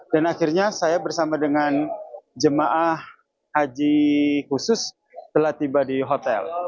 akhirnya saya bersama dengan jemaah haji khusus telah tiba di hotel